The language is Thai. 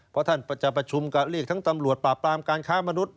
เพราะท่านจะประชุมก็เรียกทั้งตำรวจปราบปรามการค้ามนุษย